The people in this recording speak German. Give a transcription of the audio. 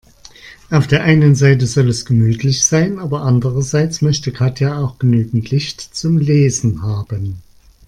Auf der einen Seite soll es gemütlich sein, aber andererseits möchte Katja auch genügend Licht zum Lesen haben.